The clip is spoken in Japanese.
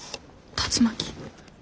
竜巻！？